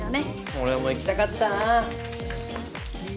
俺も行きたかったな。